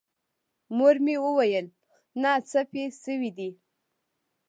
مور مې وويل نه څه پې سوي دي.